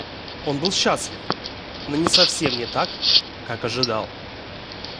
Он был счастлив, но совсем не так, как ожидал.